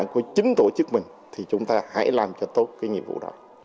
của chính tổ chức mình thì chúng ta hãy làm cho tốt cái nhiệm vụ đó